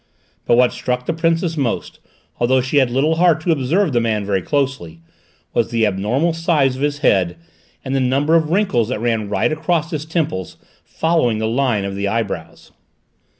But what struck the Princess most, although she had little heart to observe the man very closely, was the abnormal size of his head and the number of wrinkles that ran right across his temples, following the line of the eyebrows.